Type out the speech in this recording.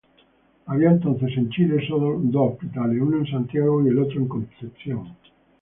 Había entonces en Chile sólo dos hospitales, uno en Santiago y otro en Concepción.